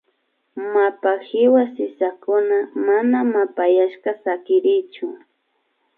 Mapa hiwa sisakuna mana mapayashka sakirichun